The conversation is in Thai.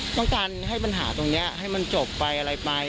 ต้องการให้ปัญหาตรงนี้ให้มันจบไปอะไรไป